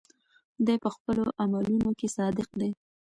دی په خپلو عملونو کې صادق دی.